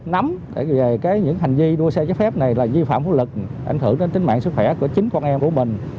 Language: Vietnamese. nắm về những hành vi đua xe trái phép này là vi phạm pháp lực ảnh hưởng đến tính mạng sức khỏe của chính con em của mình